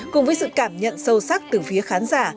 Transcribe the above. cùng với sự cảm nhận sâu sắc từ phía khán giả